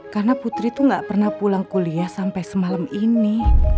karena putri tuh gak pernah pulang kuliah sampe semalam ini